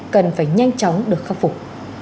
cần phải nhanh chóng được khắc phục